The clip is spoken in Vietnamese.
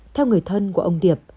theo người thân của ông điệp